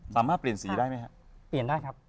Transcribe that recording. สามารถเปลี่ยนสีได้ไหมครับ